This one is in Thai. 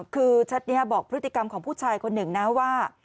คือแชทนี้บอกพฤติกรรมของผู้ชายคนหนึ่งนะว่า